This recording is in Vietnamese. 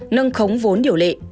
nâng khống vốn điều lệ